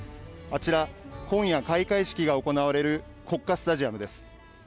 あちら、今夜開会式が行われる国家スタジアムです。